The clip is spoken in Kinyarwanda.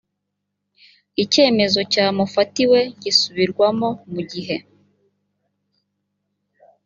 icyemezo cyamufatiwe gisubirwamo mu gihe